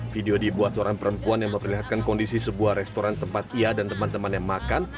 video dibuat seorang perempuan yang memperlihatkan kondisi sebuah restoran tempat ia dan teman temannya makan